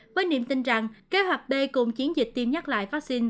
với niềm tin rằng kế hoạch b cùng chiến dịch tiêm nhắc lại vaccine